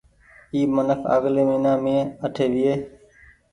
اي منک آگلي مهينآ مين اٺي ويئي۔